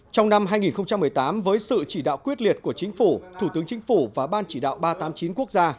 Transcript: trong năm hai nghìn một mươi tám với sự chỉ đạo quyết liệt của chính phủ thủ tướng chính phủ và ban chỉ đạo ba trăm tám mươi chín quốc gia